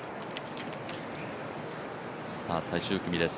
最終組です。